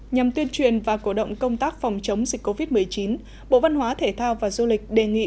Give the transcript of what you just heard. nhằm tuyên truyền và cổ động công tác phòng chống dịch covid một mươi chín bộ văn hóa thể thao và du lịch đề nghị